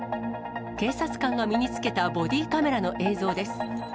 警察官が身に着けたボディカメラの映像です。